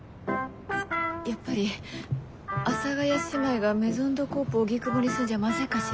やっぱり阿佐ヶ谷姉妹がメゾン・ド・コーポ荻窪に住んじゃまずいかしら。